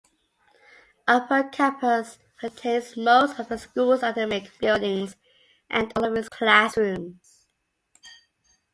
Upper Campus contains most of the school's academic buildings and all of its classrooms.